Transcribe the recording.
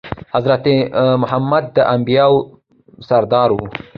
حضرت محمد د انبياوو سردار وو.